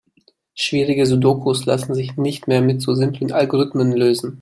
Schwierige Sudokus lassen sich nicht mehr mit so simplen Algorithmen lösen.